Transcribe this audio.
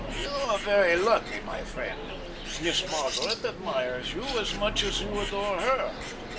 "You are very lucky, my friend. Miss Margaret admires you as much as you adore her.